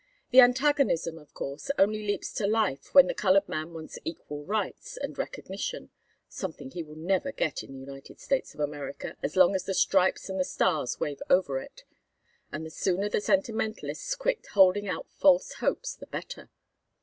The antagonism, of course, only leaps to life when the colored man wants equal rights and recognition, something he will never get in the United States of America, as long as the stripes and the stars wave over it; and the sooner the sentimentalists quit holding out false hopes the better.